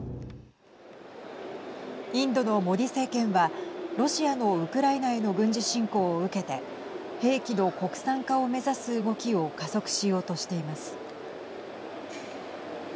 インドのモディ政権はロシアのウクライナへの軍事侵攻を受けて兵器の国産化を目指す動きを加速しようとしています。